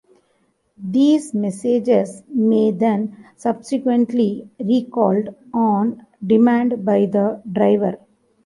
These messages may then subsequently recalled on demand by the driver.